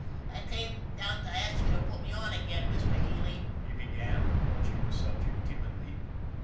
" I came down to ask you to put me on again, Mr. Healy," he began, broaching the subject timidly.